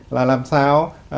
là làm sao